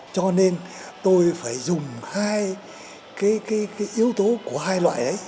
cho nên tôi phải dùng hai cái yếu tố của hai loại đấy